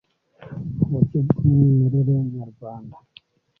uburyo bw umwimerere nyarwanda